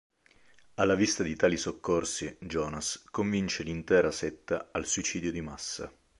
Alla vista di tali soccorsi, Jonas, convince l'intera setta al suicidio di massa.